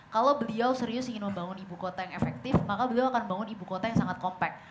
kalau beliau serius ingin membangun ibu kota yang efektif maka beliau akan membangun ibu kota yang sangat compact